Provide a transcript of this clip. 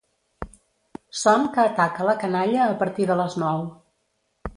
Son que ataca la canalla a partir de les nou.